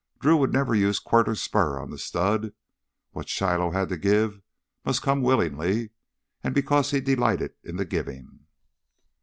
Drew would never use quirt or spur on the stud. What Shiloh had to give must come willingly and because he delighted in the giving.